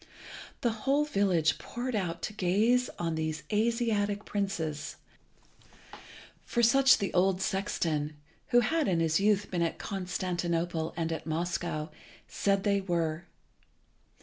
The whole village poured out to gaze on these Asiatic princes, for such the old sexton, who had in his youth been at Constantinople and at Moscow, said they were.